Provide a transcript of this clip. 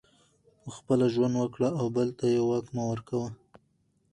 پخپله ژوند وکړه او بل ته یې واک مه ورکوه